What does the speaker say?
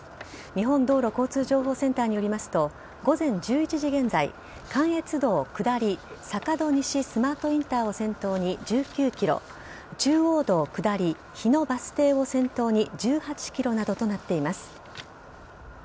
日本道路交通情報センターによりますと午前１１時現在関越道下り坂戸西スマートインターを先頭に１９ｋｍ中央道下り日野バス停を先頭に１８ｋｍなどとなっています。